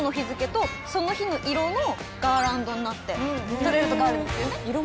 撮れるとこあるんですよね。